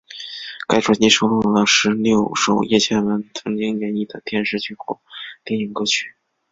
该专辑收录了十六首叶蒨文曾经演绎的电视剧或电影歌曲。